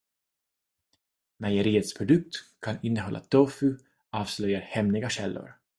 Mejeriets produkt kan innehålla tofu, avslöjar hemliga källor.